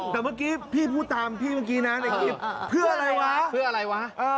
แต่เมื่อกี้พี่พูดตามพี่เมื่อกี้นะในคลิปเพื่ออะไรวะ